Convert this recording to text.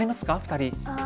２人。